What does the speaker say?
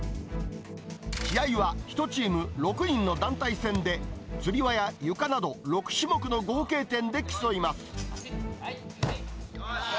試合は１チーム６人の団体戦で、つり輪やゆかなど６種目の合計点で競います。